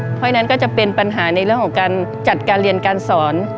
เพราะฉะนั้นก็จะเป็นปัญหาในเรื่องของการจัดการเรียนการสอน